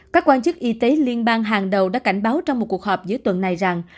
các quan chức y tế liên bang hàng đầu đã cảnh báo trong một cuộc họp giữa tuần này rằng